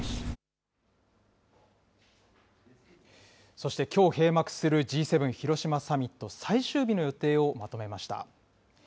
そしてきょう閉幕するＧ７広島サミット、最終日の予定をまとめました。